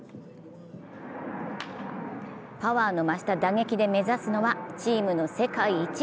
パワーの増した打撃で目指すのはチームの世界一。